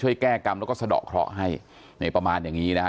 แก้กรรมแล้วก็สะดอกเคราะห์ให้ในประมาณอย่างนี้นะฮะ